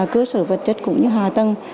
cơ sở vật chất cũng như hạ tầng